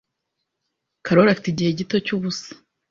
Karoli afite igihe gito cyubusa.